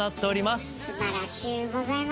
すばらしゅうございます。